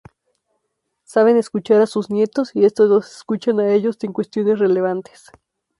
Saben escuchar a sus nietos y estos les escuchan a ellos en cuestiones relevantes.